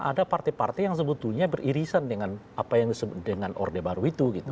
ada partai partai yang sebetulnya beririsan dengan orde baru itu gitu